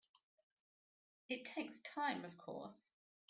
It takes time of course.